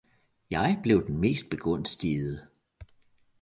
Jeg blev den mest begunstigede!